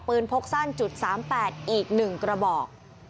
พกสั้น๓๘อีก๑กระบอก